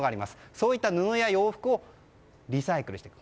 そういった布や洋服をリサイクルしていく。